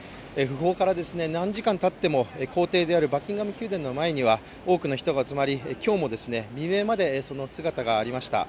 訃報から何時間たっても公邸であるバッキンガム宮殿の前には多くの人が集まり今日も未明までその姿がありました。